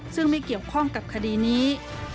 ซึ่งไม่เกี่ยวข้องกับคดีนี้